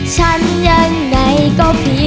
ฉันยังไงก็เป็นพอ